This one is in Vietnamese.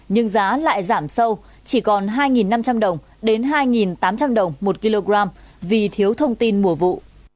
nhưng giá lại giảm sâu chỉ còn hai năm trăm linh đồng đến hai tám trăm linh đồng một kg vì thiếu thông tin mùa vụ